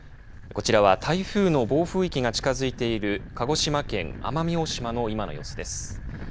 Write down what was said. こちらは台風の暴風域が近づいている鹿児島県奄美大島の今の様子です。